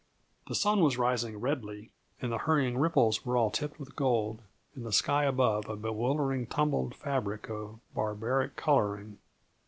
The sun was rising redly, and the hurrying ripples were all tipped with gold, and the sky above a bewildering, tumbled fabric of barbaric coloring.